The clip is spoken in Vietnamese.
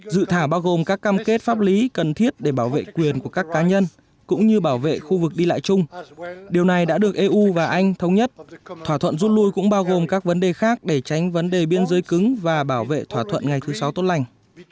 dự thảo bao gồm các cam kết pháp lý cần thiết để bảo vệ quyền của các cá nhân cũng như bảo vệ khu vực đi lại chung điều này đã được eu và anh thông nhất thỏa thuận rút lui cũng bao gồm các vấn đề khác để tránh vấn đề biên giới cứng và bảo vệ thỏa thuận ngày thứ sáu tốt lành